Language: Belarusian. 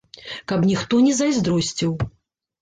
Каб ніхто не зайздросціў.